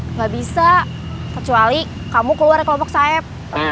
nggak bisa kecuali kamu keluar dari kelompok saep